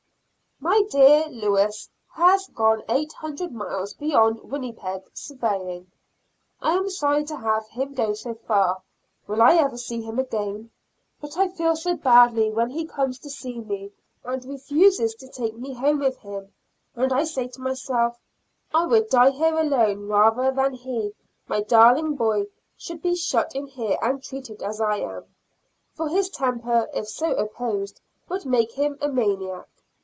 My dear Lewis has gone eight hundred miles beyond Winnipeg surveying. I am sorry to have him go so far. Will I ever see him again? But I feel so badly when he comes to see me, and refuses to take me home with him; and I say to myself, "I would die here alone rather than that he, my darling boy, should be shut in here and treated as I am;" for his temper, if so opposed, would make him a maniac.